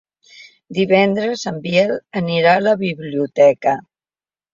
Divendres en Biel anirà a la biblioteca.